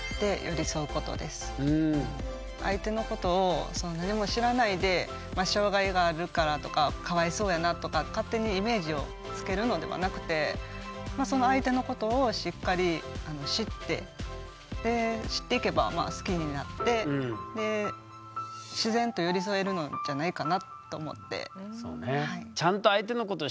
相手のことを何も知らないで障害があるからとかかわいそうやなとか勝手にイメージをつけるのではなくてその相手のことをしっかり知ってで知っていけば好きになって自然と寄り添えるのじゃないかなと思って。